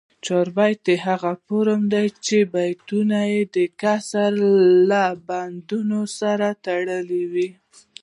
چاربیتې هغه شعري فورم دي، چي بندونه ئې دکسر له بند سره تړلي وي.